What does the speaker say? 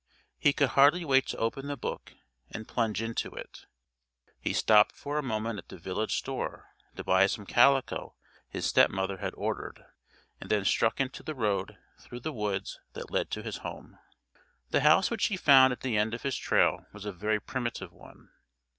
He could hardly wait to open the book and plunge into it. He stopped for a moment at the village store to buy some calico his stepmother had ordered, and then struck into the road through the woods that led to his home. The house which he found at the end of his trail was a very primitive one.